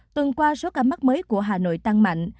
tuần qua số ca mắc mới của hà nội tăng mạnh